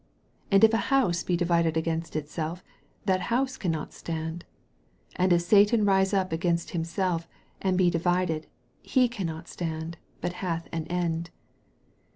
25 And if a house be divided against itself, that house cannot stand. 26 And if Satan rise up against himself, and be divided, he cannot stand, out hath an end.